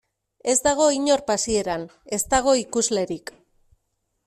Ez dago inor pasieran, ez dago ikuslerik.